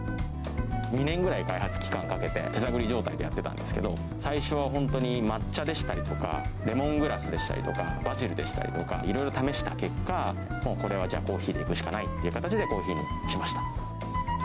２年くらい開発期間かけて、手探り状態でやってたんですけど、最初は本当に抹茶でしたりとか、レモングラスでしたりとか、バジルでしたりとか、いろいろ試した結果、もうこれはコーヒーでいくしかないって形で、コーヒーにしました。